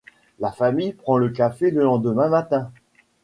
La famille prend le café le lendemain matin.